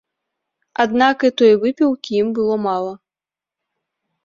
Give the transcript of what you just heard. Аднак і той выпіўкі ім было мала.